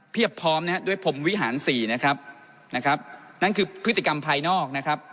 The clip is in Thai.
พร้อมนะฮะด้วยพรมวิหารสี่นะครับนะครับนั่นคือพฤติกรรมภายนอกนะครับ